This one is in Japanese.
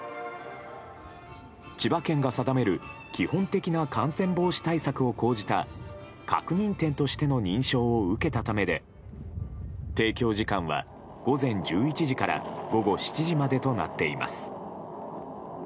千葉県が定める基本的な感染防止対策を講じた確認店としての認証を受けたためで提供時間は午前１１時から午後７時までとなっています。